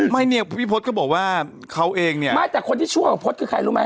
พี่พจน์ก็บอกว่าเขาเองเนี่ยไม่แต่คนที่ชั่วของพจน์คือใครรู้มั้ย